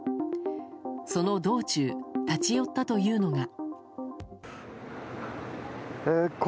その道中立ち寄ったというのが。